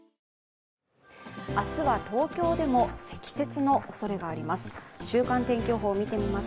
明日は東京でも積雪のおそれがあります。